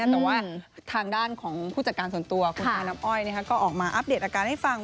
แต่ว่าทางด้านของผู้จัดการส่วนตัวคุณอาน้ำอ้อยก็ออกมาอัปเดตอาการให้ฟัง